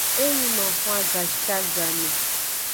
E luno xwan gashiagame.